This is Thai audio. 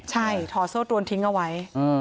ใช่ถอดโซ่ตรวนทิ้งเอาไว้